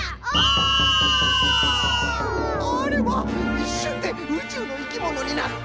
いっしゅんでうちゅうのいきものになった！